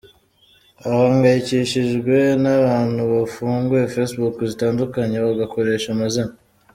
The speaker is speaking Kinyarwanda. ahangayikishijwe nabantu bafunguye facebook zitandukanye bagakoresha amazina.